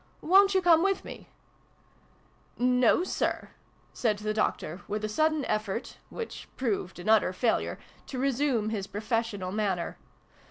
" Wo'n't you come with me ?"" No, Sir !" said the Doctor, with a sudden effort which proved an utter failure to resume his professional manner.